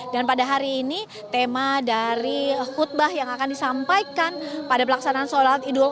dan pada hari ini tema dari khutbah yang akan disampaikan pada pelaksanaan sholat idul adha